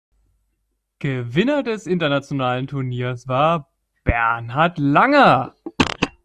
Gewinner des internationalen Turniers war Bernhard Langer.